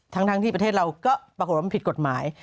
ทั้งที่ประเทศเราก็ปรากฏว่ามันผิดกฎหมาย